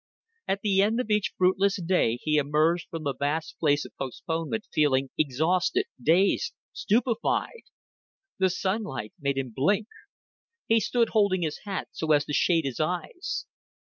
At the end of each fruitless day he emerged from the vast place of postponement feeling exhausted, dazed, stupefied. The sunlight made him blink. He stood holding his hat so as to shade his eyes.